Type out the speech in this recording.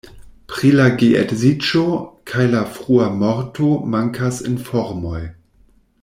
Pri la geedziĝo kaj la frua morto mankas informoj.